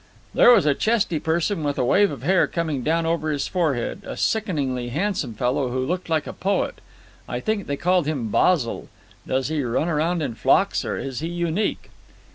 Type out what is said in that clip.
"There was a chesty person with a wave of hair coming down over his forehead. A sickeningly handsome fellow who looked like a poet. I think they called him Basil. Does he run around in flocks, or is he unique?"